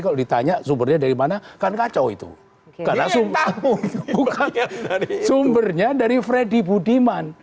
kau ditanya sumbernya dari mana kan kacau itu karena sungguh sumbernya dari freddy budiman